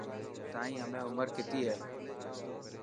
تائن همي عمر ڪتي هي.